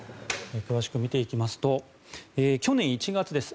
詳しく見ていきますと去年１月です。